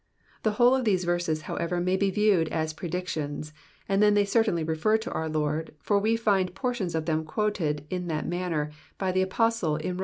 The whole of these verses, however, may be viewed as predictions, and then they certainly refer to our Lord, for we find portions of them quoted in that manner by the apostle in Rom.